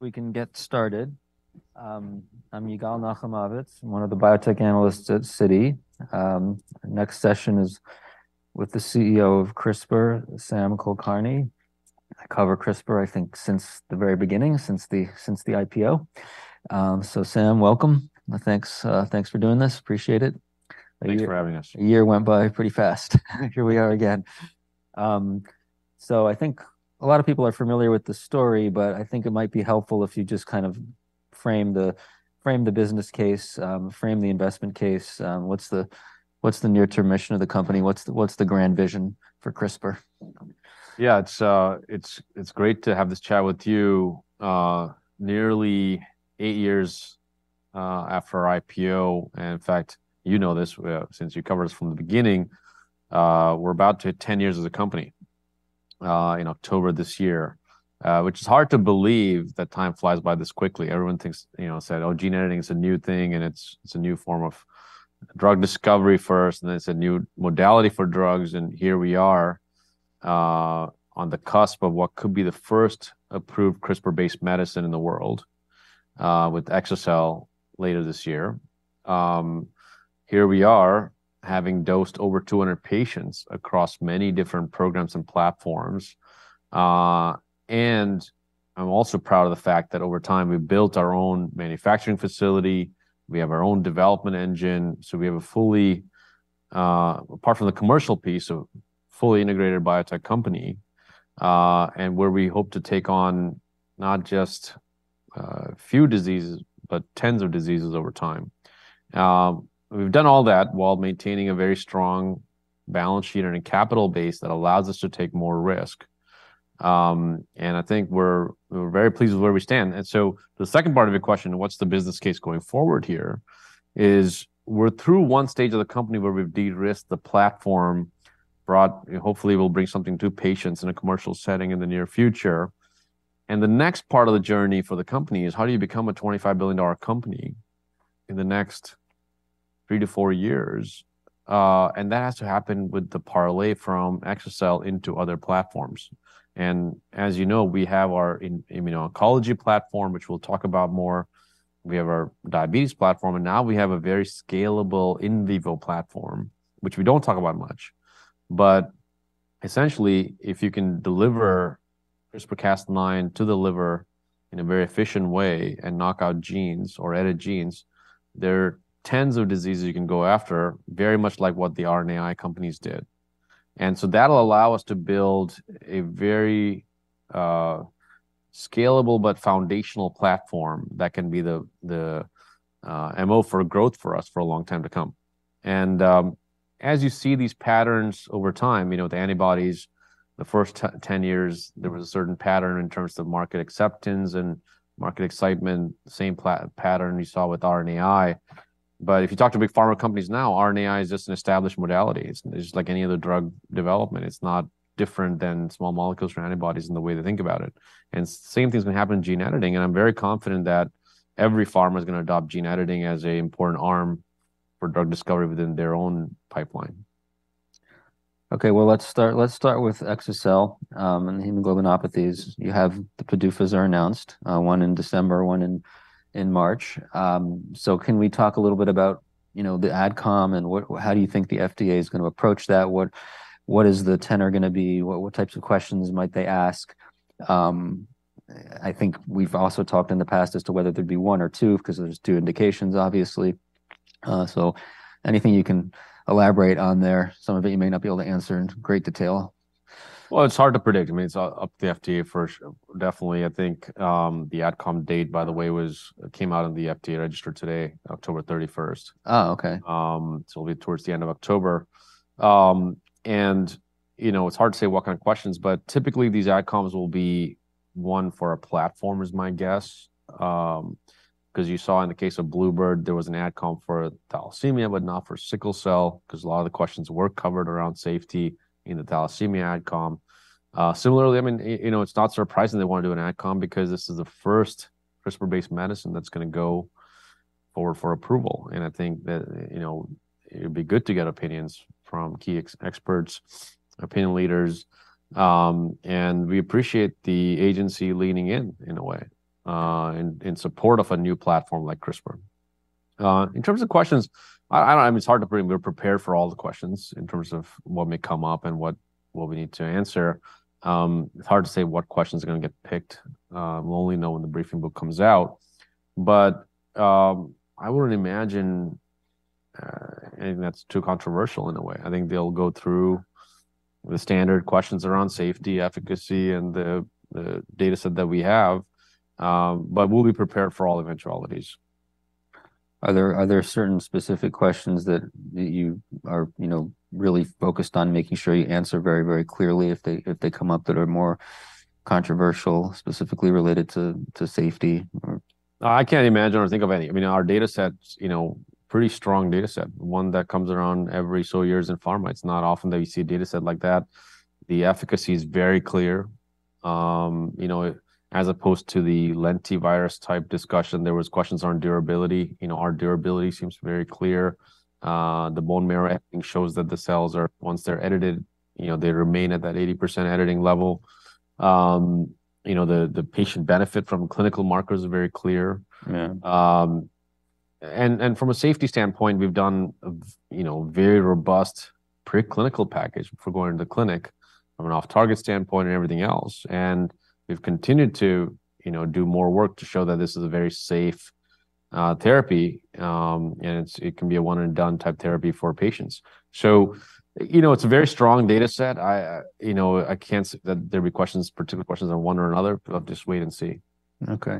We can get started. I'm Yigal Nochomovitz, one of the biotech analysts at Citi. Next session is with the CEO of CRISPR, Sam Kulkarni. I cover CRISPR, I think, since the very beginning, since the IPO. So Sam, welcome. Thanks, thanks for doing this. Appreciate it. Thanks for having us. The year went by pretty fast. Here we are again. So I think a lot of people are familiar with the story, but I think it might be helpful if you just kind of frame the business case, frame the investment case. What's the near-term mission of the company? What's the grand vision for CRISPR? Yeah, it's great to have this chat with you, nearly eight years after our IPO. In fact, you know this, since you covered us from the beginning, we're about to hit 10 years as a company, in October this year. Which is hard to believe that time flies by this quickly. Everyone thinks, you know, "Oh, gene editing is a new thing, and it's a new form of drug discovery first, and it's a new modality for drugs." Here we are, on the cusp of what could be the first approved CRISPR-based medicine in the world, with exa-cel later this year. Here we are, having dosed over 200 patients across many different programs and platforms. And I'm also proud of the fact that over time, we've built our own manufacturing facility, we have our own development engine, so we have a fully, apart from the commercial piece, a fully integrated biotech company, and where we hope to take on not just few diseases, but tens of diseases over time. We've done all that while maintaining a very strong balance sheet and a capital base that allows us to take more risk. And I think we're very pleased with where we stand. And so the second part of your question, what's the business case going forward here, is we're through one stage of the company where we've de-risked the platform, brought hopefully, we'll bring something to patients in a commercial setting in the near future. And the next part of the journey for the company is, how do you become a $25 billion company in the next three to four years? And that has to happen with the parlay from exa-cel into other platforms. And as you know, we have our immuno-oncology platform, which we'll talk about more. We have our diabetes platform, and now we have a very scalable in vivo platform, which we don't talk about much. But essentially, if you can deliver CRISPR-Cas9 to the liver in a very efficient way and knock out genes or edit genes, there are tens of diseases you can go after, very much like what the RNAi companies did. And so that'll allow us to build a very, scalable but foundational platform that can be the, the, MO for growth for us for a long time to come. As you see these patterns over time, you know, the antibodies, the first 10 years, there was a certain pattern in terms of market acceptance and market excitement, same pattern you saw with RNAi. But if you talk to big pharma companies now, RNAi is just an established modality. It's just like any other drug development. It's not different than small molecules or antibodies in the way they think about it. And same thing's going to happen in gene editing, and I'm very confident that every pharma is gonna adopt gene editing as an important arm for drug discovery within their own pipeline. Okay, well, let's start with exa-cel, and hemoglobinopathies. You have the PDUFAs are announced, one in December, one in March. So can we talk a little bit about, you know, the AdCom and what, how do you think the FDA is gonna approach that? What is the tenor gonna be? What types of questions might they ask? I think we've also talked in the past as to whether there'd be one or two, 'cause there's two indications, obviously. So anything you can elaborate on there, some of it you may not be able to answer in great detail. Well, it's hard to predict. I mean, it's up to the FDA first. Definitely, I think, the AdCom date, by the way, came out in the Federal Register today, 31st October. Oh, okay. So it'll be towards the end of October. And, you know, it's hard to say what kind of questions, but typically, these AdComs will be one for a platform, is my guess. 'Cause you saw in the case of Bluebird, there was an AdCom for thalassemia, but not for sickle cell, 'cause a lot of the questions were covered around safety in the thalassemia AdCom. Similarly, I mean, you know, it's not surprising they want to do an AdCom because this is the first CRISPR-based medicine that's going to go forward for approval. And I think that, you know, it'd be good to get opinions from key experts, opinion leaders. And we appreciate the agency leaning in, in a way, in support of a new platform like CRISPR. In terms of questions, I mean, it's hard to prepare. We're prepared for all the questions in terms of what may come up and what, what we need to answer. It's hard to say what questions are going to get picked. We'll only know when the briefing book comes out, but, I wouldn't imagine anything that's too controversial in a way. I think they'll go through the standard questions around safety, efficacy, and the, the data set that we have, but we'll be prepared for all eventualities. Are there certain specific questions that you are, you know, really focused on making sure you answer very, very clearly if they come up, that are more controversial, specifically related to safety or? I can't imagine or think of any. I mean, our data set's, you know, pretty strong data set, one that comes around every few years in pharma. It's not often that you see a data set like that. The efficacy is very clear. You know, as opposed to the lentivirus type discussion, there was questions on durability. You know, our durability seems very clear. The bone marrow editing shows that the cells are, once they're edited, you know, they remain at that 80% editing level. You know, the patient benefit from clinical markers are very clear. Yeah. From a safety standpoint, we've done a, you know, very robust preclinical package for going to the clinic from an off-target standpoint and everything else, and we've continued to, you know, do more work to show that this is a very safe therapy, and it's, it can be a one and done type therapy for patients. So, you know, it's a very strong data set. I, you know, I can't say that there be questions, particular questions on one or another, but I'll just wait and see. Okay.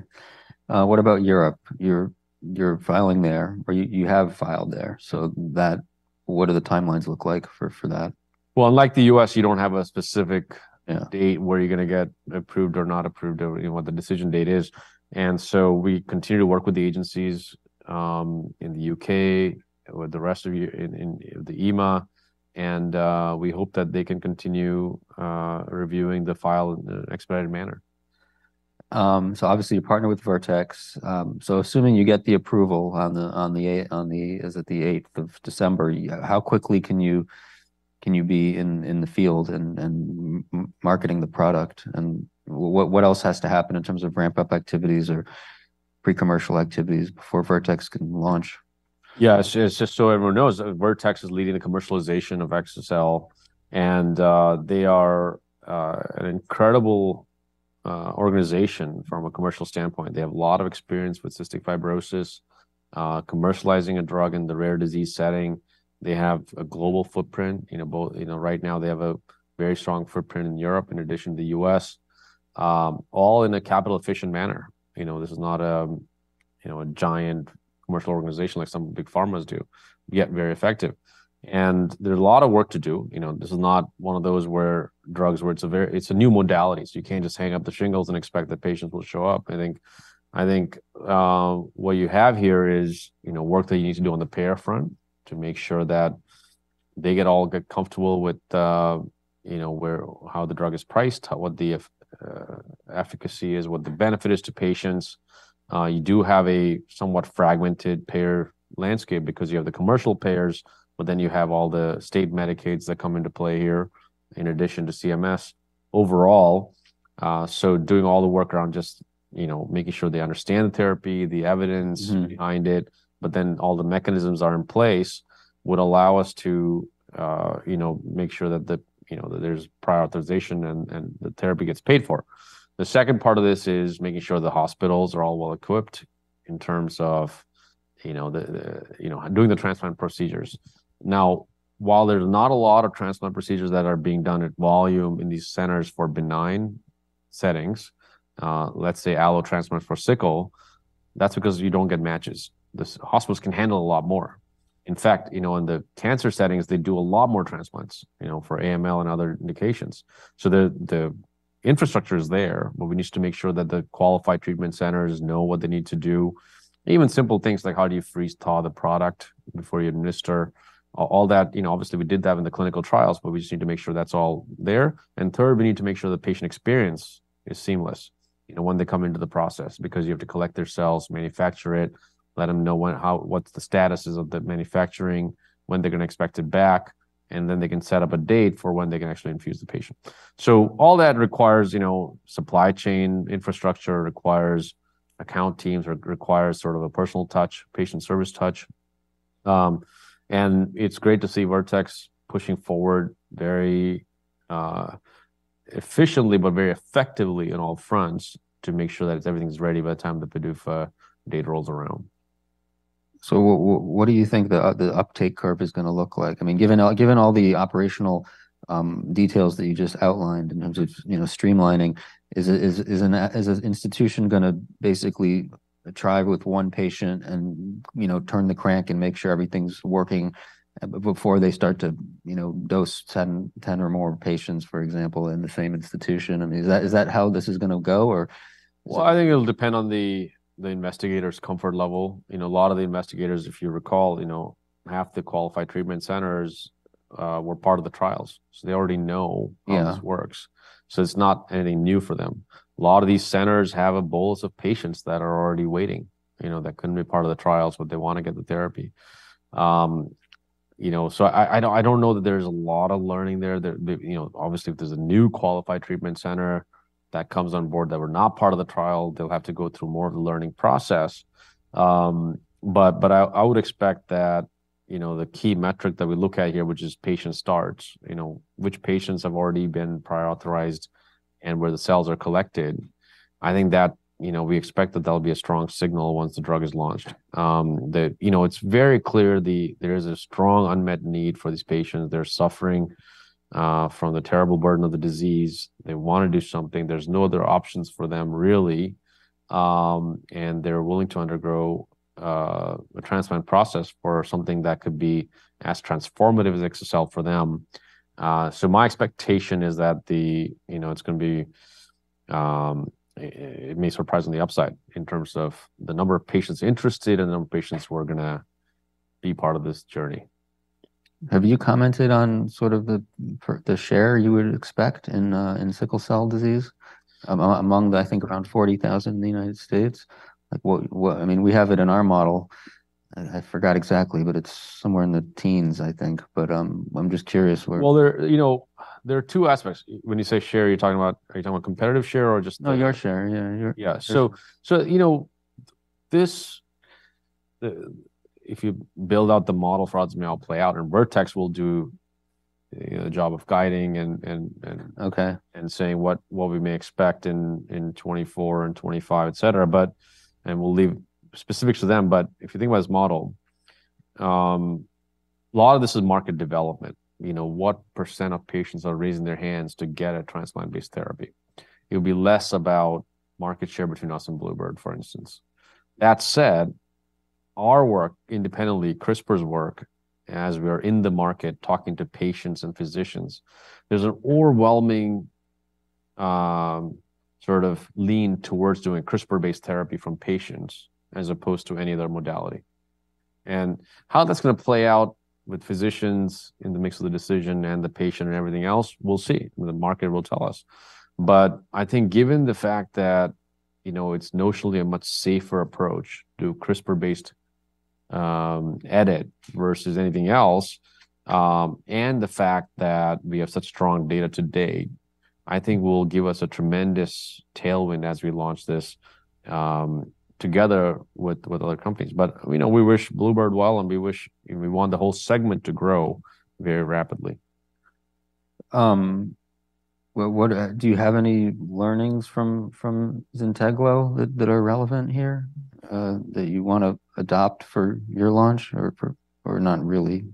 What about Europe? You're, you're filing there, or you, you have filed there, so that, what do the timelines look like for, for that? Well, unlike the U.S., you don't have a specific Yeah Date where you're going to get approved or not approved, or, you know, what the decision date is. And so we continue to work with the agencies in the UK, with the rest of Europe in the EMA, and we hope that they can continue reviewing the file in an expedited manner. So obviously, you partner with Vertex. So assuming you get the approval on the eighth of December, how quickly can you be in the field and marketing the product? And what else has to happen in terms of ramp-up activities or pre-commercial activities before Vertex can launch? Yeah. Just so everyone knows, Vertex is leading the commercialization of exa-cel, and they are an incredible organization from a commercial standpoint. They have a lot of experience with cystic fibrosis commercializing a drug in the rare disease setting. They have a global footprint, you know, both... You know, right now, they have a very strong footprint in Europe, in addition to the U.S., all in a capital efficient manner. You know, this is not a, you know, a giant commercial organization like some big pharmas do, yet very effective. And there's a lot of work to do. You know, this is not one of those drugs where it's a very, it's a new modality, so you can't just hang up the shingles and expect that patients will show up. I think what you have here is, you know, work that you need to do on the payer front to make sure that they get all, get comfortable with, you know, where, how the drug is priced, what the efficacy is, what the benefit is to patients. You do have a somewhat fragmented payer landscape because you have the commercial payers, but then you have all the state Medicaids that come into play here, in addition to CMS overall. So doing all the work around just, you know, making sure they understand the therapy, the evidence Behind it, but then all the mechanisms are in place, would allow us to, you know, make sure that the, you know, that there's prior authorization and the therapy gets paid for. The second part of this is making sure the hospitals are all well-equipped in terms of, you know, the, you know, doing the transplant procedures. Now, while there's not a lot of transplant procedures that are being done at volume in these centers for benign settings, let's say allotransplant for sickle, that's because you don't get matches. The hospitals can handle a lot more. In fact, you know, in the cancer settings, they do a lot more transplants, you know, for AML and other indications. So the infrastructure is there, but we need to make sure that the qualified treatment centers know what they need to do. Even simple things like how do you freeze, thaw the product before you administer? All that, you know, obviously, we did that in the clinical trials, but we just need to make sure that's all there. And third, we need to make sure the patient experience is seamless, you know, when they come into the process, because you have to collect their cells, manufacture it, let them know when, how, what's the status of the manufacturing, when they're going to expect it back, and then they can set up a date for when they can actually infuse the patient. So all that requires, you know, supply chain infrastructure, requires account teams, or requires sort of a personal touch, patient service touch. And it's great to see Vertex pushing forward very efficiently, but very effectively in all fronts to make sure that everything's ready by the time the PDUFA date rolls around. So what do you think the uptake curve is gonna look like? I mean, given all, given all the operational details that you just outlined in terms of, you know, streamlining, is an institution gonna basically try with one patient and, you know, turn the crank and make sure everything's working before they start to, you know, dose 10 or more patients, for example, in the same institution? I mean, is that how this is gonna go or what? I think it'll depend on the investigator's comfort level. You know, a lot of the investigators, if you recall, you know, half the qualified treatment centers were part of the trials, so they already know Yeah How this works. So it's not anything new for them. A lot of these centers have a bolus of patients that are already waiting, you know, that couldn't be part of the trials, but they wanna get the therapy. You know, so I don't know that there's a lot of learning there that... You know, obviously, if there's a new qualified treatment center that comes on board that were not part of the trial, they'll have to go through more of the learning process. But I would expect that, you know, the key metric that we look at here, which is patient starts, you know, which patients have already been pre-authorized and where the cells are collected, I think that, you know, we expect that there'll be a strong signal once the drug is launched. The You know, it's very clear there is a strong unmet need for these patients. They're suffering from the terrible burden of the disease. They wanna do something. There's no other options for them, really, and they're willing to undergo a transplant process for something that could be as transformative as exa-cel for them. So my expectation is that the, you know, it's gonna be, it may surprise on the upside in terms of the number of patients interested and the number of patients who are gonna be part of this journey. Have you commented on sort of the share you would expect in sickle cell disease, among the, I think, around 40,000 in the United States? Like, what I mean, we have it in our model, and I forgot exactly, but it's somewhere in the teens, I think. But, I'm just curious where Well, there, you know, there are two aspects. When you say share, are you talking about? Are you talking about competitive share or just the No, your share. Yeah, your Yeah. So, you know, this, if you build out the model for how this may all play out, and Vertex will do, you know, the job of guiding and, and, and Okay And saying what we may expect in 2024 and 2025, et cetera. And we'll leave specifics to them, but if you think about this model, a lot of this is market development. You know, what % of patients are raising their hands to get a transplant-based therapy? It'll be less about market share between us and Bluebird, for instance. That said, our work, independently, CRISPR's work, as we're in the market, talking to patients and physicians, there's an overwhelming sort of lean towards doing CRISPR-based therapy from patients as opposed to any other modality. And how that's gonna play out with physicians in the mix of the decision and the patient and everything else, we'll see. The market will tell us. But I think given the fact that, you know, it's notionally a much safer approach to CRISPR-based edit versus anything else, and the fact that we have such strong data to date, I think will give us a tremendous tailwind as we launch this, together with, with other companies. But, you know, we wish Bluebird well, and we wish and we want the whole segment to grow very rapidly. Well, what do you have any learnings from Zynteglo that are relevant here that you wanna adopt for your launch or for or not really?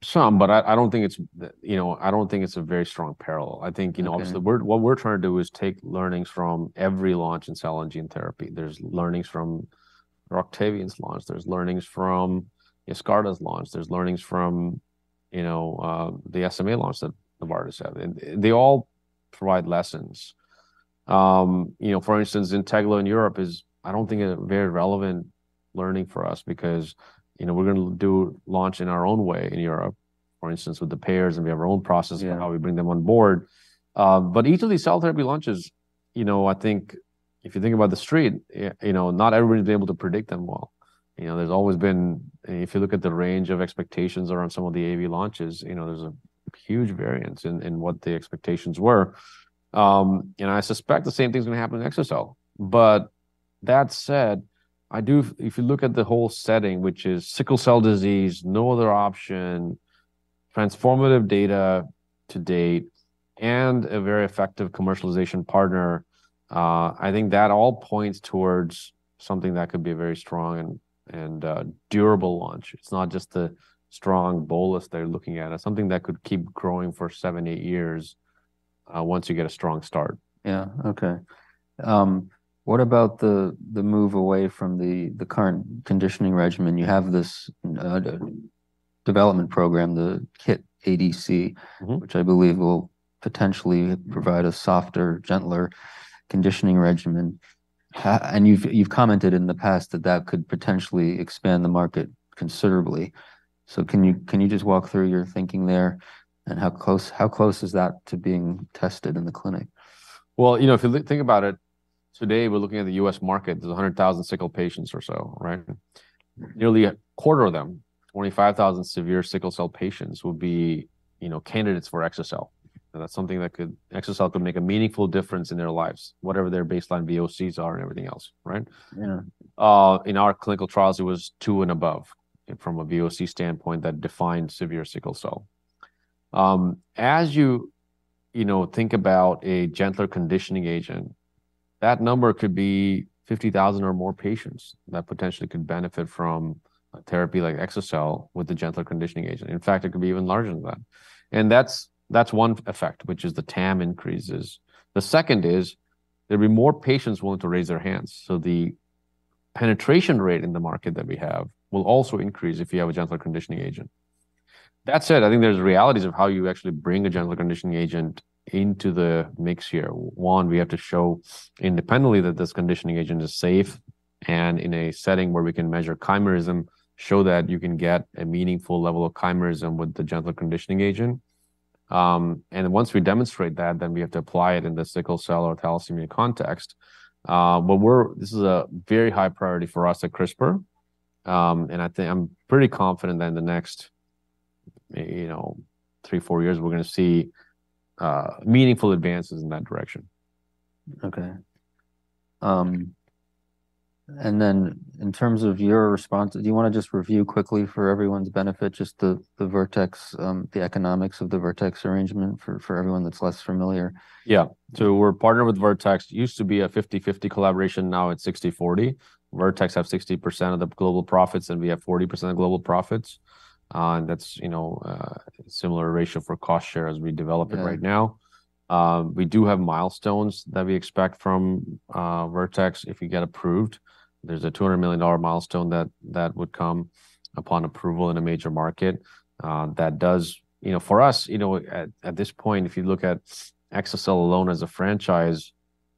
Some, but I, I don't think it's, you know, I don't think it's a very strong parallel. I think, you know Okay Obviously, what we're trying to do is take learnings from every launch in cell and gene therapy. There's learnings from Roctavian's launch, there's learnings from Yescarta's launch, there's learnings from, you know, the SMA launch that Novartis had. They all provide lessons. You know, for instance, Zynteglo in Europe is, I don't think, a very relevant learning for us because, you know, we're gonna do launch in our own way in Europe, for instance, with the payers, ad we have our own processes- Yeah And how we bring them on board. But each of these cell therapy launches, you know, I think if you think about the street, you know, not everybody's been able to predict them well. You know, there's always been... If you look at the range of expectations around some of the AAV launches, you know, there's a huge variance in, in what the expectations were. And I suspect the same thing's gonna happen with exa-cel. But that said, I do if you look at the whole setting, which is sickle cell disease, no other option, transformative data to date, and a very effective commercialization partner, I think that all points towards something that could be a very strong and durable launch. It's not just the strong bolus they're looking at. It's something that could keep growing for sevven to eight years, once you get a strong start. Yeah. Okay. What about the move away from the current conditioning regimen? You have this development program, the KIT ADC which I believe will potentially provide a softer, gentler conditioning regimen. And you've commented in the past that that could potentially expand the market considerably. So can you just walk through your thinking there, and how close is that to being tested in the clinic? Well, you know, if you think about it, today, we're looking at the U.S. market. There's 100,000 sickle patients or so, right? Nearly a quarter of them, 25,000 severe sickle cell patients, would be, you know, candidates for exa-cel... and that's something that could exa-cel could make a meaningful difference in their lives, whatever their baseline VOCs are and everything else, right? Yeah. In our clinical trials, it was two and above from a VOC standpoint that defined severe sickle cell. As you know, think about a gentler conditioning agent, that number could be 50,000 or more patients that potentially could benefit from a therapy like exa-cel with a gentler conditioning agent. In fact, it could be even larger than that. And that's one effect, which is the TAM increases. The second is, there'll be more patients willing to raise their hands, so the penetration rate in the market that we have will also increase if you have a gentler conditioning agent. That said, I think there's realities of how you actually bring a gentler conditioning agent into the mix here. One, we have to show independently that this conditioning agent is safe, and in a setting where we can measure chimerism, show that you can get a meaningful level of chimerism with the gentler conditioning agent. And once we demonstrate that, then we have to apply it in the sickle cell or thalassemia context. But we're this is a very high priority for us at CRISPR, and I think I'm pretty confident that in the next, you know, three to four years, we're gonna see meaningful advances in that direction. Okay. And then in terms of your response, do you wanna just review quickly for everyone's benefit, just the Vertex, the economics of the Vertex arrangement for everyone that's less familiar? Yeah. So we're partnered with Vertex. Used to be a 50/50 collaboration, now it's 60/40. Vertex have 60% of the global profits, and we have 40% of global profits. And that's, you know, similar ratio for cost share as we develop it right now. Yeah. We do have milestones that we expect from Vertex. If we get approved, there's a $200 million milestone that would come upon approval in a major market. That does. You know, for us, you know, at this point, if you look at exa-cel alone as a franchise,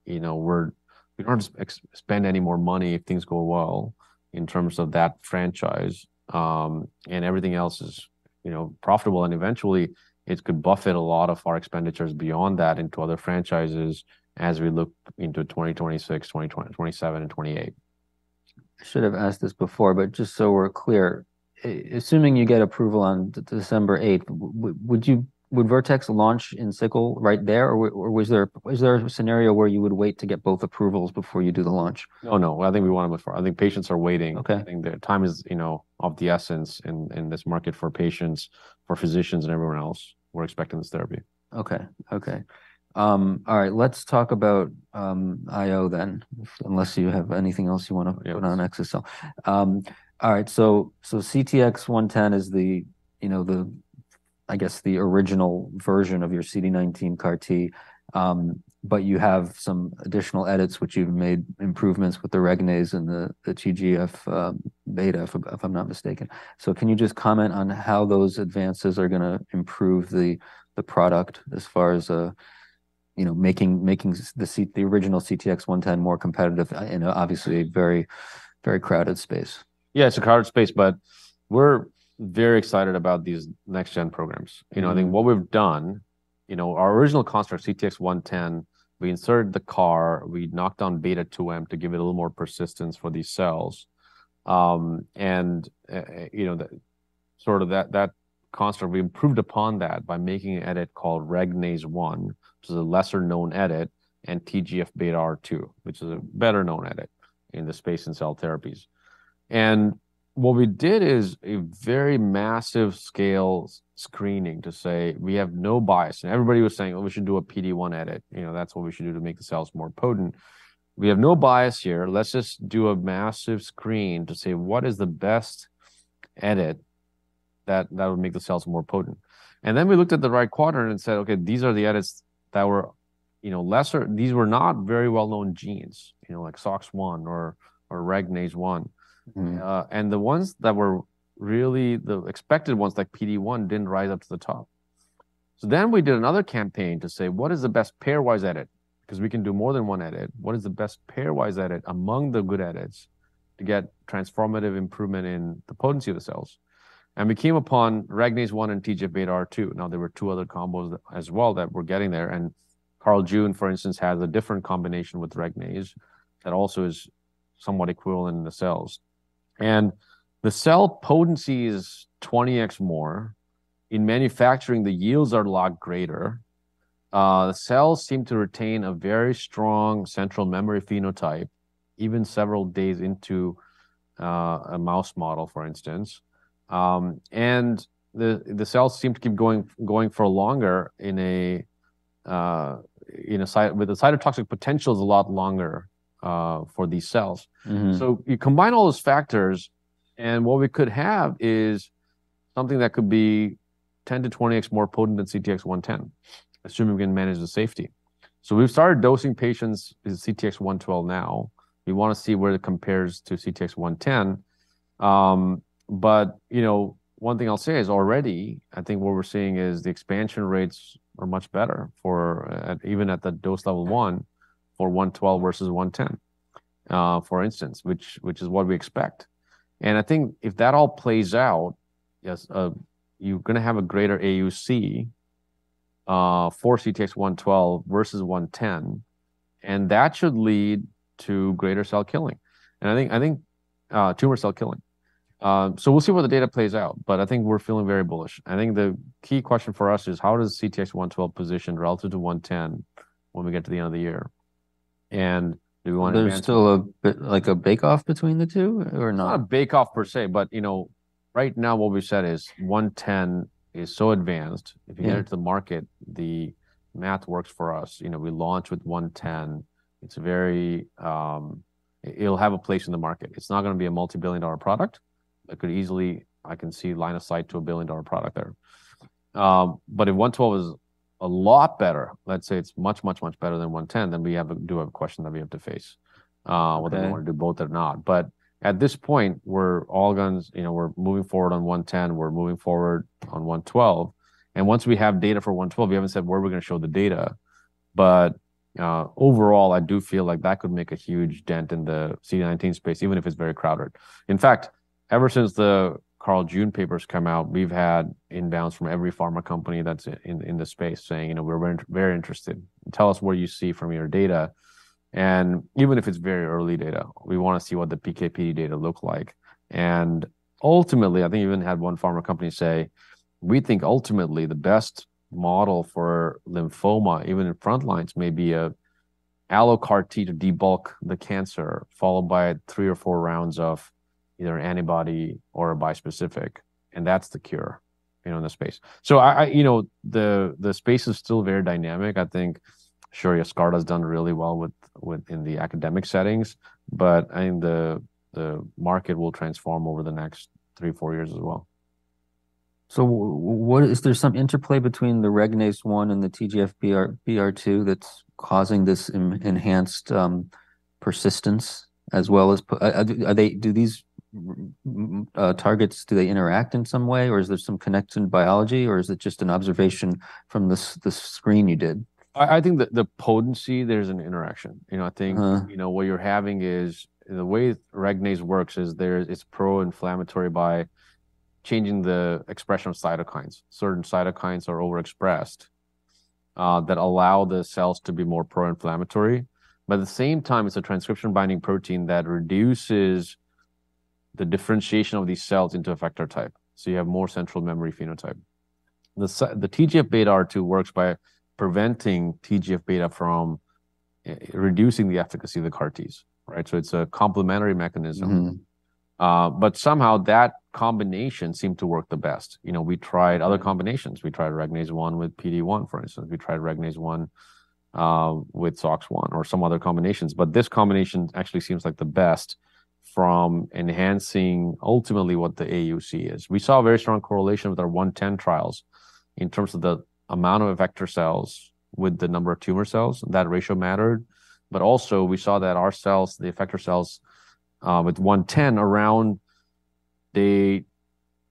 you know, we're, we don't expend any more money if things go well in terms of that franchise. And everything else is, you know, profitable, and eventually, it could buffer a lot of our expenditures beyond that into other franchises as we look into 2026, 2027 and 2028. I should have asked this before, but just so we're clear, assuming you get approval on December eighth, would Vertex launch in sickle right there, or is there a scenario where you would wait to get both approvals before you do the launch? Oh, no. I think we wanna move forward. I think patients are waiting. Okay. I think the time is, you know, of the essence in this market for patients, for physicians, and everyone else who are expecting this therapy. Okay. Okay. All right, let's talk about IO then, unless you have anything else you wanna note on exa-cel. All right, so, so CTX110 is the, you know, the, I guess, the original version of your CD19 CAR T, but you have some additional edits which you've made improvements with the Regnase and the TGF-beta, if, if I'm not mistaken. So can you just comment on how those advances are gonna improve the product as far as, you know, making the original CTX110 more competitive in an obviously very, very crowded space? Yeah, it's a crowded space, but we're very excited about these next gen programs. Mm-hmm. You know, I think what we've done you know, our original construct, CTX110, we inserted the CAR, we knocked on Beta-2M to give it a little more persistence for these cells. You know, sort of that construct, we improved upon that by making an edit called Regnase-1, which is a lesser-known edit, and TGF-beta R2, which is a better-known edit in the space and cell therapies. And what we did is a very massive scale screening to say: We have no bias. And everybody was saying, "Oh, we should do a PD-1 edit. You know, that's what we should do to make the cells more potent." We have no bias here. Let's just do a massive screen to say, what is the best edit that would make the cells more potent? And then we looked at the right quadrant and said, "Okay, these are the edits that were, you know, lesser." These were not very well-known genes, you know, like SOCS1 or Regnase-1 and the ones that were really the expected ones, like PD-1, didn't rise up to the top. So then we did another campaign to say: What is the best pairwise edit? 'Cause we can do more than one edit. What is the best pairwise edit among the good edits to get transformative improvement in the potency of the cells? And we came upon Regnase-1 and TGF-beta R2. Now, there were two other combos as well that were getting there, and Carl June, for instance, has a different combination with Regnase that also is somewhat equivalent in the cells. And the cell potency is 20x more. In manufacturing, the yields are a lot greater. The cells seem to retain a very strong central memory phenotype, even several days into a mouse model, for instance. The cells seem to keep going for longer in a cyto- with a cytotoxic potential is a lot longer for these cells. So you combine all those factors, and what we could have is something that could be 10-20x more potent than CTX110, assuming we can manage the safety. So we've started dosing patients with CTX112 now. We wanna see where it compares to CTX110. But, you know, one thing I'll say is already, I think what we're seeing is the expansion rates are much better for, even at the dose level 1 for 112 versus 110, for instance, which is what we expect. And I think if that all plays out, yes, you're gonna have a greater AUC for CTX112 versus 110, and that should lead to greater cell killing, and I think tumor cell killing. So we'll see where the data plays out, but I think we're feeling very bullish. I think the key question for us is, how does CTX112 position relative to CTX110 when we get to the end of the year? And do we wanna advance There's still a bit, like, a bake-off between the two or not? Not a bake-off per se, but, you know, right now what we said is 110 is so advanced. Yeah. If you get it to the market, the math works for us. You know, we launch with 110, it's very... It'll have a place in the market. It's not gonna be a multi-billion dollar product. It could easily. I can see line of sight to a billion-dollar product there. But if 112 is a lot better, let's say it's much, much, much better than 110, then we do have a question that we have to face. Okay. Whether we wanna do both or not. But at this point, we're all guns... You know, we're moving forward on 110, we're moving forward on 112, and once we have data for 112, we haven't said where we're gonna show the data. But, overall, I do feel like that could make a huge dent in the CD19 space, even if it's very crowded. In fact, ever since the Carl June papers come out, we've had inbounds from every pharma company that's in the space saying: "You know, we're very, very interested. Tell us what you see from your data, and even if it's very early data, we wanna see what the PK/PD data look like." And ultimately, I think we even had one pharma company say, "We think ultimately the best model for lymphoma, even in front lines, may be a allo CAR T to debulk the cancer, followed by three or four rounds of either antibody or a bispecific, and that's the cure, you know, in the space." So I, I, you know, the, the space is still very dynamic. I think, sure, Yescarta has done really well within the academic settings, but I think the, the market will transform over the next three, four years as well. So what is there some interplay between the Regnase-1 and the TGF-beta R2 that's causing this enhanced persistence as well as potency? Do these targets do they interact in some way, or is there some connection in biology, or is it just an observation from the screen you did? I think the potency, there's an interaction. You know, I think- Uh huh You know, what you're having is, the way Regnase works is there, it's pro-inflammatory by changing the expression of cytokines. Certain cytokines are overexpressed, that allow the cells to be more pro-inflammatory, but at the same time, it's a transcription binding protein that reduces the differentiation of these cells into effector type. So you have more central memory phenotype. The TGF-beta R2 works by preventing TGF-beta from reducing the efficacy of the CAR Ts, right? So it's a complementary mechanism. But somehow that combination seemed to work the best. You know, we tried other combinations. We tried Regnase-1 with PD-1, for instance. We tried Regnase-1 with SOCS1 or some other combinations, but this combination actually seems like the best from enhancing ultimately what the AUC is. We saw a very strong correlation with our 110 trials in terms of the amount of effector cells with the number of tumor cells, that ratio mattered, but also we saw that our cells, the effector cells, with 110 around day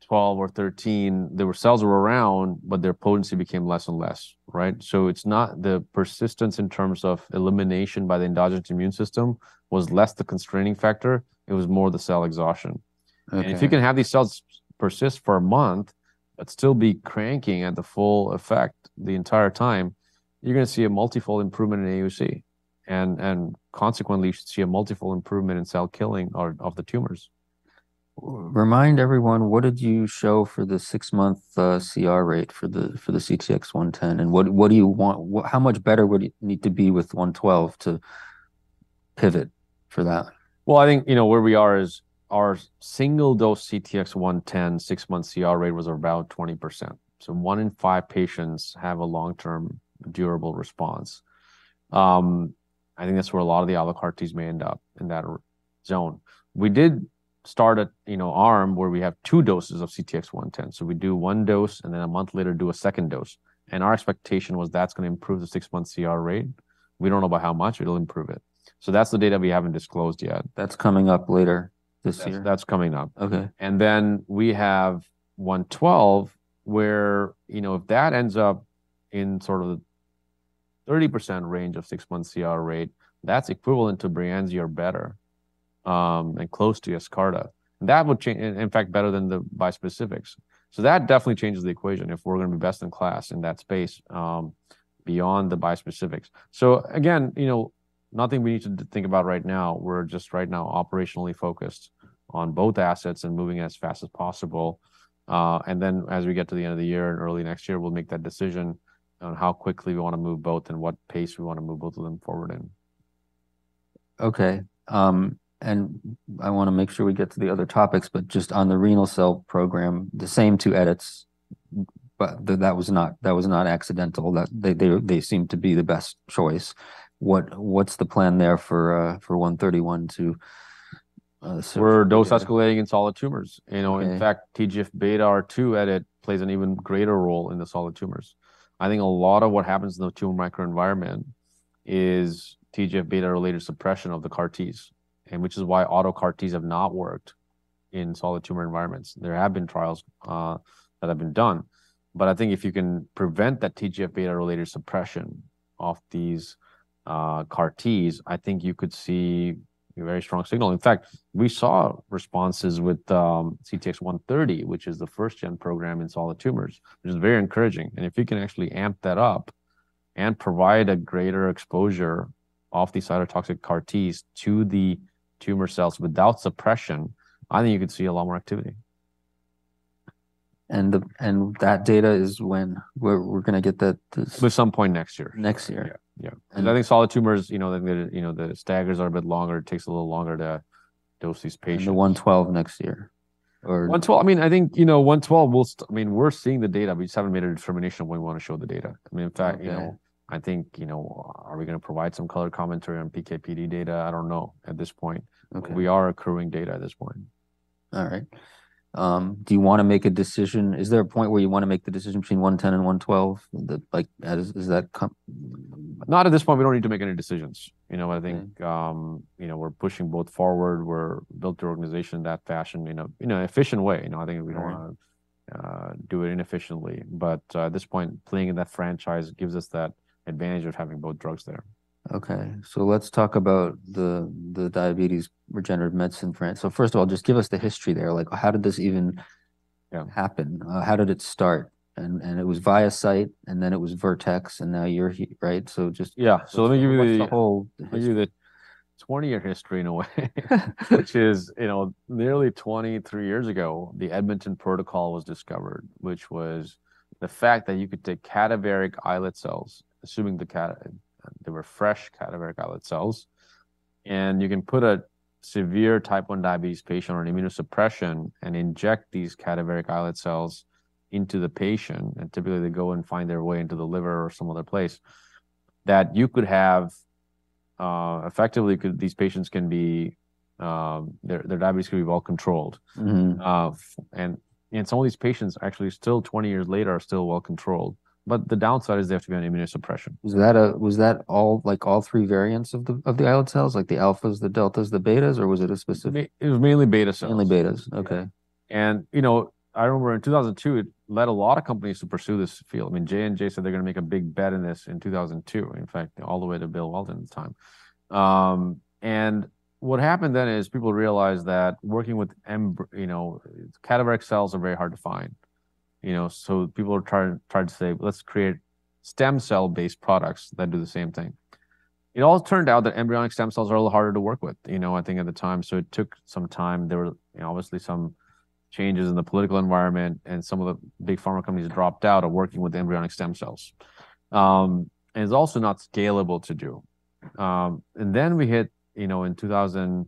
12 or 13, the cells were around, but their potency became less and less, right? So it's not the persistence in terms of elimination by the endogenous immune system, was less the constraining factor, it was more the cell exhaustion. Okay. If you can have these cells persist for a month, but still be cranking at the full effect the entire time, you're gonna see a multifold improvement in AUC, and consequently, you should see a multifold improvement in cell killing or of the tumors. Remind everyone, what did you show for the six-month CR rate for the CTX110, and what do you want - how much better would it need to be with CTX112 to pivot for that? Well, I think, you know, where we are is our single-dose CTX110 6-month CR rate was about 20%. So 1 in 5 patients have a long-term durable response. I think that's where a lot of the allo CAR Ts may end up, in that zone. We did start a, you know, arm where we have 2 doses of CTX110. So we do 1 dose, and then 1 month later do a second dose, and our expectation was that's gonna improve the 6-month CR rate. We don't know by how much it'll improve it. So that's the data we haven't disclosed yet. That's coming up later this year? That's coming up. Okay. And then we have CTX112, where, you know, if that ends up in sort of the 30% range of 6-month CR rate, that's equivalent to Breyanzi or better, and close to Yescarta. That would in fact better than the bispecifics. So that definitely changes the equation if we're gonna be best in class in that space, beyond the bispecifics. So again, you know, nothing we need to think about right now. We're just right now operationally focused on both assets and moving as fast as possible. And then as we get to the end of the year and early next year, we'll make that decision on how quickly we wanna move both and what pace we wanna move both of them forward in. Okay. And I wanna make sure we get to the other topics, but just on the renal cell program, the same two edits, but that was not accidental. That... They seemed to be the best choice. What's the plan there for 131 to sort of- We're dose escalating in solid tumors. Okay. You know, in fact, TGF-beta R2 edit plays an even greater role in the solid tumors. I think a lot of what happens in the tumor microenvironment is TGF-beta related suppression of the CAR Ts, and which is why auto CAR Ts have not worked in solid tumor environments. There have been trials that have been done, but I think if you can prevent that TGF-beta related suppression of these CAR Ts, I think you could see a very strong signal. In fact, we saw responses with CTX130, which is the first gen program in solid tumors, which is very encouraging. And if you can actually amp that up and provide a greater exposure of the cytotoxic CAR Ts to the tumor cells without suppression, I think you could see a lot more activity. And that data is when? We're gonna get that, this- By some point next year. Next year? Yeah, yeah. And I think solid tumors, you know, the staggers are a bit longer. It takes a little longer to dose these patients. In the CTX112 next year, 112, I mean, I think, you know, 112. I mean, we're seeing the data, we just haven't made a determination when we wanna show the data. I mean, in fact- Okay You know, I think, you know, are we gonna provide some color commentary on PK/PD data? I don't know at this point. Okay. We are accruing data at this point. All right. Do you wanna make a decision... Is there a point where you wanna make the decision between 110 and 112, is that com Not at this point. We don't need to make any decisions. You know, I think you know, we're pushing both forward. We're built the organization in that fashion, in a efficient way, you know? Right. I think we don't wanna do it inefficiently, but at this point, playing in that franchise gives us that advantage of having both drugs there. Okay, so let's talk about the diabetes regenerative medicine frame. So first of all, just give us the history there. Like, how did this even- Yeah Happen? How did it start? And, it was ViaCyte, and then it was Vertex, and now you're here, right? So just- Yeah. What's the whole Let me give you the 20-year history in a way, which is, you know, nearly 23 years ago, the Edmonton Protocol was discovered, which was the fact that you could take cadaveric islet cells, assuming they were fresh cadaveric islet cells, and you can put a severe type 1 diabetes patient on immunosuppression and inject these cadaveric islet cells into the patient, and typically they go and find their way into the liver or some other place, that you could have, effectively could. These patients can be, their diabetes could be well controlled. Some of these patients actually, still 20 years later, are still well controlled, but the downside is they have to be on immunosuppression. Was that all, like, all three variants of the islet cells, like the alphas, the deltas, the betas, or was it a specific? It was mainly beta cells. Mainly betas. Yeah. Okay. You know, I remember in 2002, it led a lot of companies to pursue this field. I mean, J&J said they're gonna make a big bet in this in 2002. In fact, all the way to Bill Weldon at the time. And what happened then is people realized that working with cadaveric cells are very hard to find, you know, so people tried to say, "Let's create stem cell-based products that do the same thing." It all turned out that embryonic stem cells are a little harder to work with, you know, I think at the time, so it took some time. There were, you know, obviously some changes in the political environment, and some of the big pharma companies dropped out of working with embryonic stem cells. And it's also not scalable to do. And then we hit, you know, in 2006-2008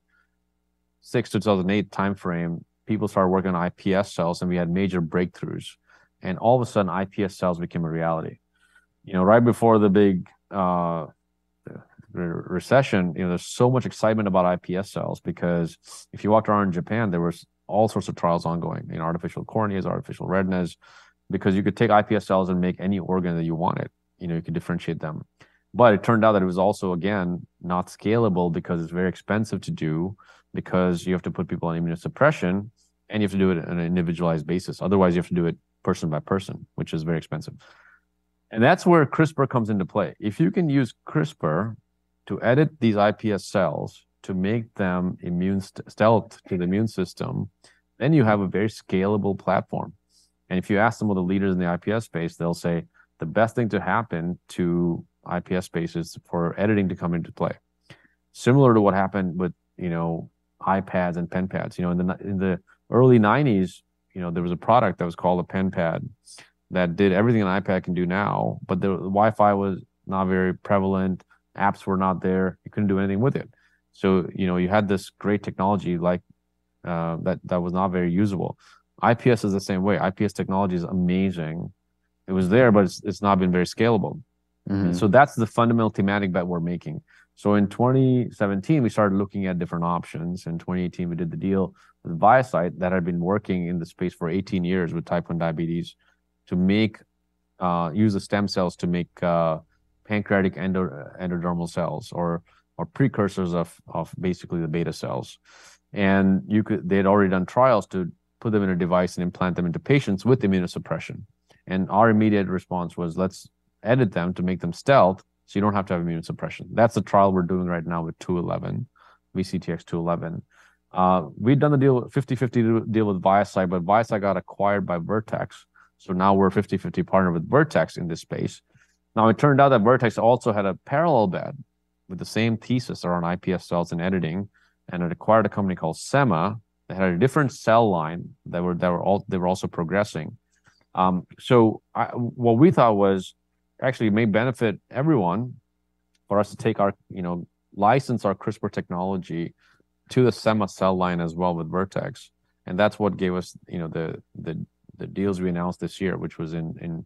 timeframe, people started working on iPS cells, and we had major breakthroughs, and all of a sudden, iPS cells became a reality. You know, right before the big recession, you know, there was so much excitement about iPS cells because if you walked around Japan, there was all sorts of trials ongoing, in artificial corneas, artificial retinas, because you could take iPS cells and make any organ that you wanted, you know, you could differentiate them. But it turned out that it was also, again, not scalable because it's very expensive to do, because you have to put people on immunosuppression, and you have to do it on an individualized basis. Otherwise, you have to do it person by person, which is very expensive, and that's where CRISPR comes into play. If you can use CRISPR to edit these iPS cells to make them immune stealth to the immune system, then you have a very scalable platform. And if you ask some of the leaders in the iPS space, they'll say, "The best thing to happen to iPS space is for editing to come into play." Similar to what happened with, you know, iPads and pen pads. You know, in the early 1990s, you know, there was a product that was called a pen pad that did everything an iPad can do now, but the Wi-Fi was not very prevalent, apps were not there, you couldn't do anything with it. So, you know, you had this great technology, like, that was not very usable. iPS is the same way. iPS technology is amazing. It was there, but it's not been very scalable. So that's the fundamental thematic bet we're making. So in 2017, we started looking at different options. In 2018, we did the deal with ViaCyte that had been working in the space for 18 years with Type 1 diabetes to make use the stem cells to make pancreatic endodermal cells or precursors of basically the beta cells. And they'd already done trials to put them in a device and implant them into patients with immunosuppression. And our immediate response was, "Let's edit them to make them stealth, so you don't have to have immunosuppression." That's the trial we're doing right now with 211, VCTX211. We'd done a deal, a 50/50 deal with ViaCyte, but ViaCyte got acquired by Vertex, so now we're a 50/50 partner with Vertex in this space. Now, it turned out that Vertex also had a parallel bet with the same thesis around iPS cells and editing, and it acquired a company called Semma. They had a different cell line that were also progressing. What we thought was, actually, it may benefit everyone for us to take our, you know, license our CRISPR technology to the Semma cell line as well with Vertex, and that's what gave us, you know, the deals we announced this year, which was in the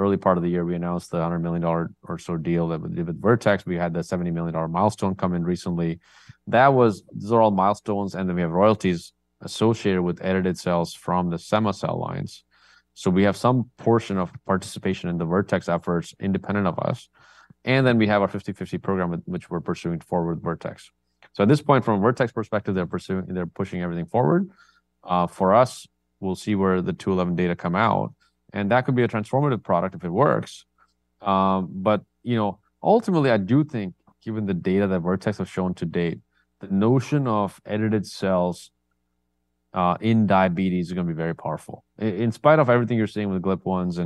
early part of the year, we announced the $100 million or so deal with Vertex, we had that $70 million milestone come in recently. That was... These are all milestones, and then we have royalties associated with edited cells from the Semma cell lines. So we have some portion of participation in the Vertex efforts independent of us, and then we have our 50/50 program with which we're pursuing forward with Vertex. So at this point, from a Vertex perspective, they're pursuing; they're pushing everything forward. For us, we'll see where the 211 data come out, and that could be a transformative product if it works. But, you know, ultimately, I do think, given the data that Vertex has shown to date, the notion of edited cells in diabetes is going to be very powerful. In spite of everything you're seeing with GLP-1s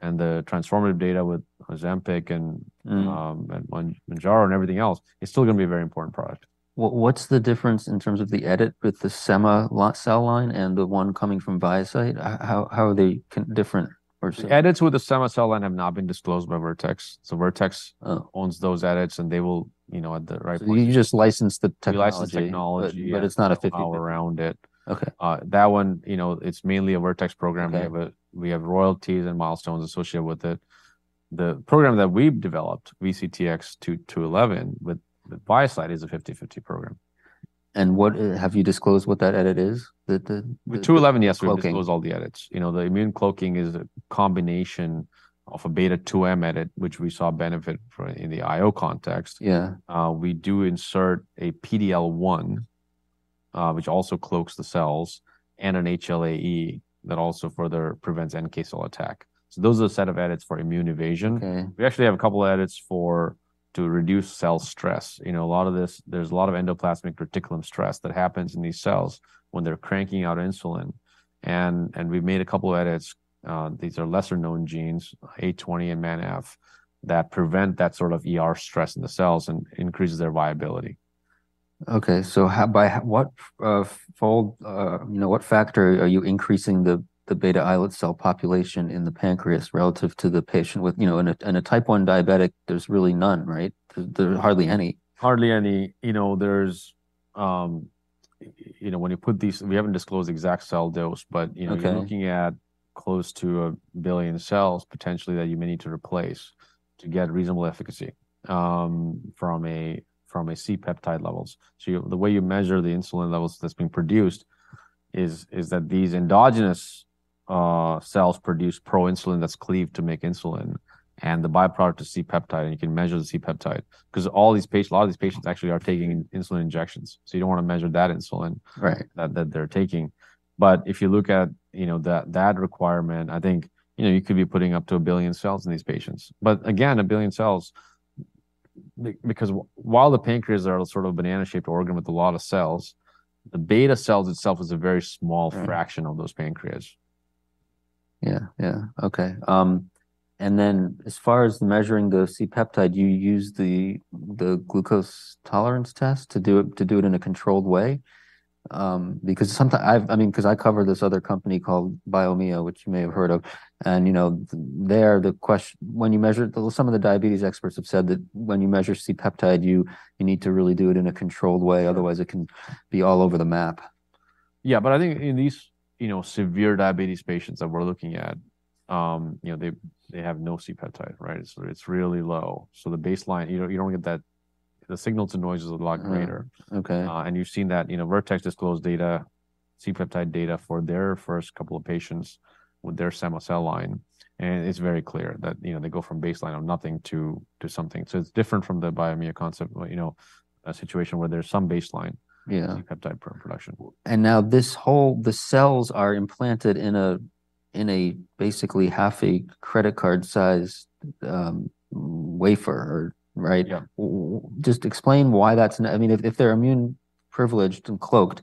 and the transformative data with Ozempic and Mounjaro and everything else, it's still gonna be a very important product. What, what's the difference in terms of the edit with the Semma cell line and the one coming from ViaCyte? How are they different or- The edits with the Semma cell line have not been disclosed by Vertex. So Vertex owns those edits, and they will, you know, at the right point- You just licensed the technology- We licensed the technology. But it's not a 50 Build around it. Okay. That one, you know, it's mainly a Vertex program. Okay. We have we have royalties and milestones associated with it. The program that we've developed, VCTX211, with ViaCyte, is a 50/50 program. What have you disclosed what that edit is, the? The 211, yes Cloaking... we've disclosed all the edits. You know, the immune cloaking is a combination of a Beta-2M edit, which we saw benefit from in the IO context. Yeah. We do insert a PD-L1, which also cloaks the cells, and an HLA-E that also further prevents NK cell attack. So those are a set of edits for immune evasion. Okay. We actually have a couple of edits for, to reduce cell stress. You know, a lot of this. There's a lot of endoplasmic reticulum stress that happens in these cells when they're cranking out insulin, and we've made a couple of edits, these are lesser-known genes, A20 and MANF, that prevent that sort of ER stress in the cells and increases their viability. Okay, so by what fold, you know, what factor are you increasing the beta islet cell population in the pancreas relative to the patient with... You know, in a Type 1 diabetic, there's really none, right? There are hardly any. Hardly any. You know, there's. You know, when you put these, we haven't disclosed the exact cell dose, but, you know. Okay You're looking at close to 1 billion cells, potentially, that you may need to replace to get reasonable efficacy from a C-peptide levels. So, the way you measure the insulin levels that's being produced is that these endogenous cells produce proinsulin that's cleaved to make insulin, and the by-product is C-peptide, and you can measure the C-peptide. Because a lot of these patients actually are taking insulin injections, so you don't want to measure that insulin Right That they're taking. But if you look at, you know, that requirement, I think, you know, you could be putting up to 1 billion cells in these patients. But again, 1 billion cells, because while the pancreas are a sort of banana-shaped organ with a lot of cells, the beta cells itself is a very small- Right fraction of those pancreas. Yeah, yeah. Okay, and then, as far as measuring the C-peptide, do you use the, the glucose tolerance test to do it, to do it in a controlled way? Because sometimes I mean, because I cover this other company called Biomeia, which you may have heard of, and, you know, there, the question when you measure. Well, some of the diabetes experts have said that when you measure C-peptide, you, you need to really do it in a controlled way, otherwise it can be all over the map. Yeah, but I think in these, you know, severe diabetes patients that we're looking at, you know, they have no C-peptide, right? It's really low. The baseline, you know, you don't get that... The signal-to-noise is a lot greater. Mm. Okay. And you've seen that, you know, Vertex disclose data, C-peptide data, for their first couple of patients with their Semma cell line, and it's very clear that, you know, they go from baseline of nothing to, to something. So it's different from the Biomeia concept, but, you know, a situation where there's some baseline- Yeah C-peptide production. Now this whole, the cells are implanted in a basically half a credit card sized wafer, right? Yeah. Just explain why that's necessary, I mean, if they're immune privileged and cloaked,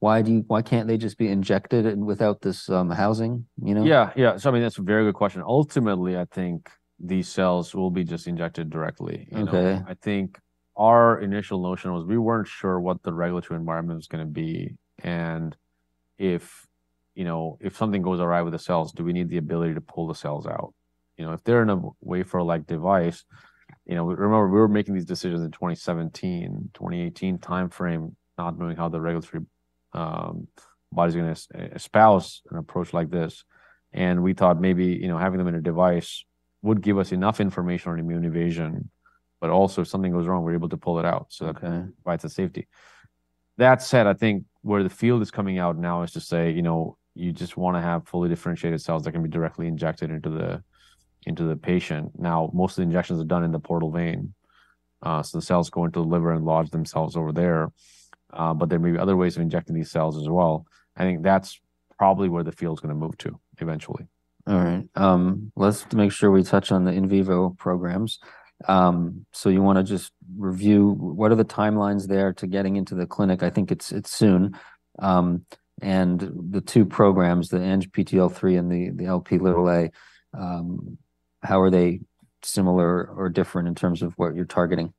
why can't they just be injected without this housing, you know? Yeah, yeah. So I mean, that's a very good question. Ultimately, I think these cells will be just injected directly. Okay. You know, I think our initial notion was we weren't sure what the regulatory environment was going to be, and if, you know, if something goes awry with the cells, do we need the ability to pull the cells out? You know, if they're in a wafer-like device... You know, remember, we were making these decisions in 2017, 2018 timeframe, not knowing how the regulatory body's going to espouse an approach like this. And we thought maybe, you know, having them in a device would give us enough information on immune evasion, but also, if something goes wrong, we're able to pull it out. Okay. So it provides the safety. That said, I think where the field is coming out now is to say, you know, you just want to have fully differentiated cells that can be directly injected into the patient. Now, most of the injections are done in the portal vein, so the cells go into the liver and lodge themselves over there, but there may be other ways of injecting these cells as well. I think that's probably where the field's going to move to eventually. All right. Let's make sure we touch on the in vivo programs. So you want to just review what are the timelines there to getting into the clinic? I think it's soon. And the two programs, the ANGPTL3 and the Lp(a), how are they similar or different in terms of what you're targeting?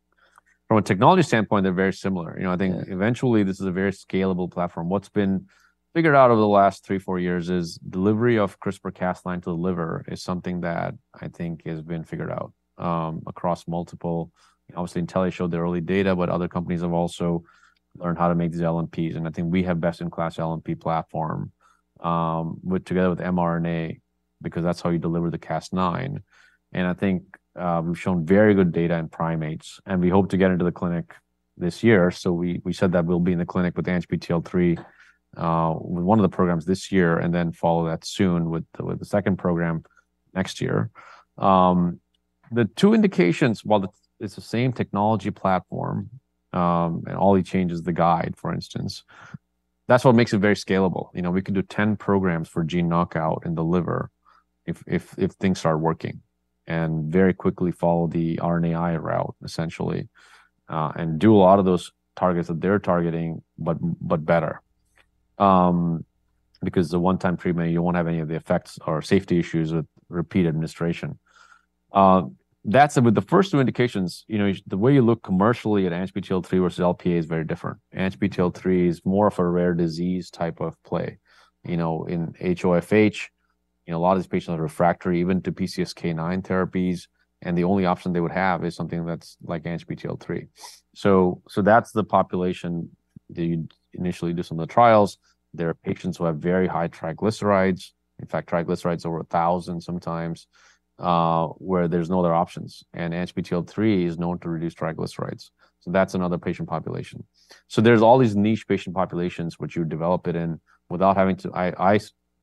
From a technology standpoint, they're very similar. You know- Yeah I think eventually, this is a very scalable platform. What's been figured out over the last 3, 4 years is delivery of CRISPR-Cas9 to the liver is something that I think has been figured out, across multiple... Obviously, Intellia showed their early data, but other companies have also learned how to make these LNPs, and I think we have best-in-class LNP platform, together with mRNA, because that's how you deliver the Cas9. And I think, we've shown very good data in primates, and we hope to get into the clinic this year. So we, we said that we'll be in the clinic with the ANGPTL3, one of the programs this year, and then follow that soon with the, with the second program next year. The two indications, it's the same technology platform, and all it changes is the guide, for instance. That's what makes it very scalable. You know, we could do 10 programs for gene knockout in the liver if things start working, and very quickly follow the RNAi route, essentially, and do a lot of those targets that they're targeting, but better. Because it's a one-time treatment, you won't have any of the effects or safety issues with repeat administration. That's with the first two indications, you know, the way you look commercially at ANGPTL3 versus Lp(a) is very different. ANGPTL3 is more of a rare disease type of play. You know, in HoFH, you know, a lot of these patients are refractory even to PCSK9 therapies, and the only option they would have is something that's like ANGPTL3. So that's the population that you'd initially do some of the trials. There are patients who have very high triglycerides. In fact, triglycerides over 1,000 sometimes, where there's no other options, and ANGPTL3 is known to reduce triglycerides. So that's another patient population. So there's all these niche patient populations which you would develop it in without having to, I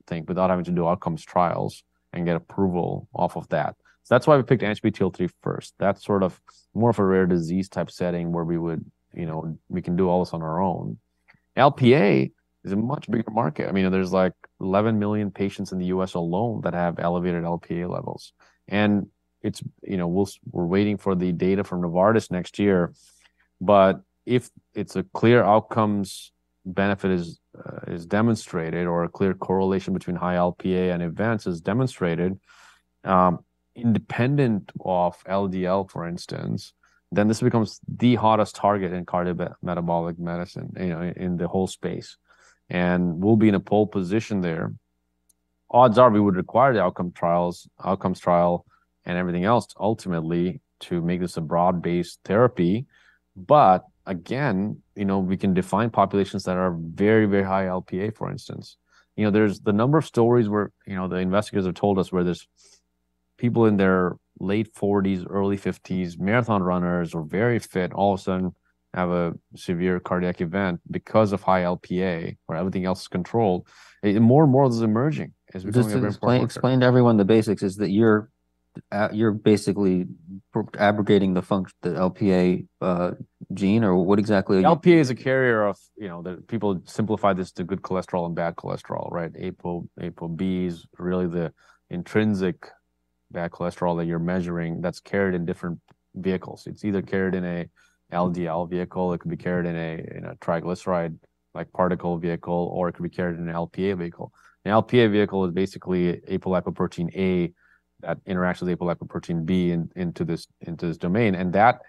think, without having to do outcomes trials and get approval off of that. So that's why we picked ANGPTL3 first. That's sort of more of a rare disease type setting where we would, you know, we can do all this on our own. Lp(a) is a much bigger market. I mean, there's, like, 11 million patients in the U.S. alone that have elevated Lp(a) levels, and it's, you know, we're waiting for the data from Novartis next year. But if it's a clear outcomes benefit is, is demonstrated or a clear correlation between high Lp(a) and events is demonstrated, independent of LDL, for instance, then this becomes the hottest target in cardiometabolic medicine, you know, in the whole space, and we'll be in a pole position there. Odds are we would require the outcome trials, outcomes trial and everything else ultimately to make this a broad-based therapy. But again, you know, we can define populations that are very, very high Lp(a), for instance. You know, there's the number of stories where, you know, the investigators have told us, where there's people in their late forties, early fifties, marathon runners or very fit, all of a sudden have a severe cardiac event because of high Lp(a), where everything else is controlled. And more and more of this is emerging as we become a very important- Just explain, explain to everyone the basics, is that you're basically abrogating the Lp(a) gene, or what exactly are you- Lp(a) is a carrier of, you know... The people simplify this to good cholesterol and bad cholesterol, right? ApoB is really the intrinsic bad cholesterol that you're measuring that's carried in different vehicles. It's either carried in a LDL vehicle, it could be carried in a, in a triglyceride-like particle vehicle, or it could be carried in an Lp(a) vehicle. An Lp(a) vehicle is basically apolipoprotein(a) that interacts with apolipoprotein B in, into this, into this domain, and that,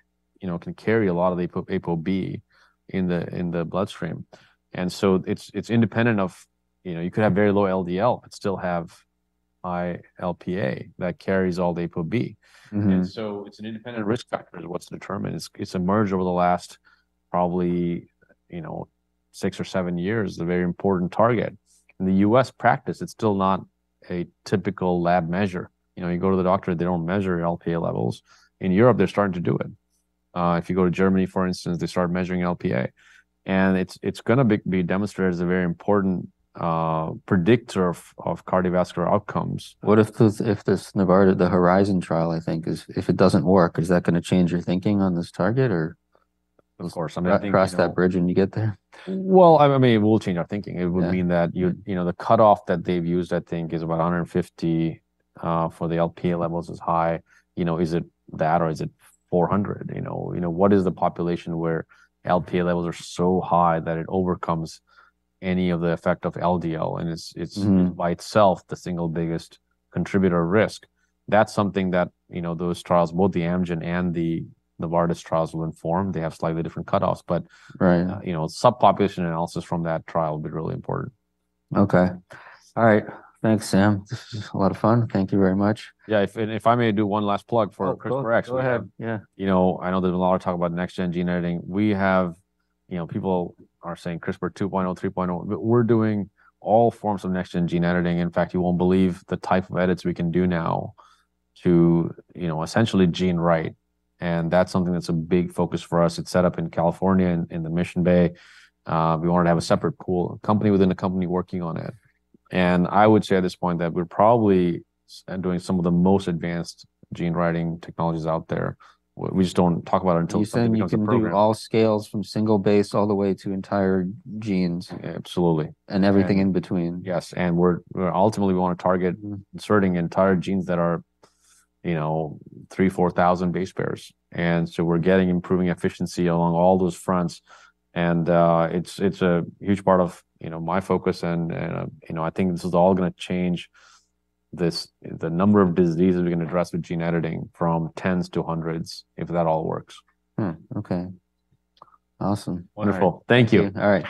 you know, can carry a lot of the ApoB in the, in the bloodstream. And so it's, it's independent of... You know, you could have very low LDL but still have high Lp(a) that carries all the ApoB. It's an independent risk factor is what's determined. It's emerged over the last probably, you know, 6 or 7 years, a very important target. In the U.S. practice, it's still not a typical lab measure. You know, you go to the doctor, they don't measure your Lp(a) levels. In Europe, they're starting to do it. If you go to Germany, for instance, they start measuring Lp(a), and it's gonna be demonstrated as a very important predictor of cardiovascular outcomes. What if this, if this Novartis, the HORIZON trial, I think, is... If it doesn't work, is that gonna change your thinking on this target or- Of course, I mean, I think Cross that bridge when you get there? Well I mean, it will change our thinking. Yeah. It would mean that you, you know, the cutoff that they've used, I think, is about 150 for the Lp(a) levels is high. You know, is it that or is it 400, you know? You know, what is the population where Lp(a) levels are so high that it overcomes any of the effect of LDL, and it's by itself, the single biggest contributor risk? That's something that, you know, those trials, both the Amgen and the Novartis trials, will inform. They have slightly different cutoffs, but- Right You know, subpopulation analysis from that trial will be really important. Okay. All right. Thanks, Sam. This was a lot of fun. Thank you very much. Yeah, if I may do one last plug for CRISPR X. Go ahead, yeah. You know, I know there's a lot of talk about next-gen gene editing. We have... You know, people are saying CRISPR 2.0, 3.0, but we're doing all forms of next-gen gene editing. In fact, you won't believe the type of edits we can do now to, you know, essentially gene write, and that's something that's a big focus for us. It's set up in California, in the Mission Bay. We wanted to have a separate pool, a company within a company working on it. And I would say at this point that we're probably doing some of the most advanced gene writing technologies out there. We just don't talk about it until something becomes a program. You said you can do all scales from single base all the way to entire genes. Absolutely. Everything in between. Yes, and we're ultimately we wanna target inserting entire genes that are, you know, 3-4,000 base pairs. And so we're getting improving efficiency along all those fronts, and it's a huge part of, you know, my focus and, you know, I think this is all gonna change the number of diseases we can address with gene editing from tens to hundreds, if that all works. Hmm, okay. Awesome. Wonderful. All right. Thank you. All right, thanks.